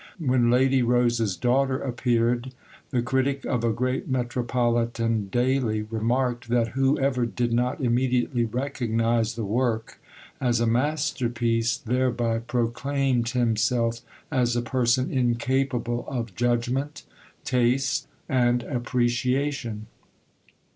When Lady Rose's Daughter appeared, the critic of a great metropolitan daily remarked that whoever did not immediately recognise the work as a masterpiece thereby proclaimed himself as a person incapable of judgement, taste, and appreciation.